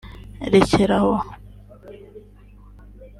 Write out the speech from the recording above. “rekeraho